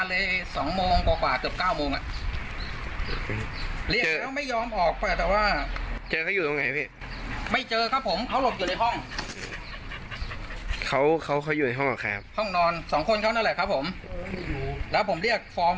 แล้วที่หัวเขาแตกโดนอะไรครับพี่คะ